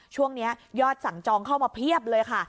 ช่วงนี้ยอดสั่งจองเข้ามาเพียบเลยค่ะ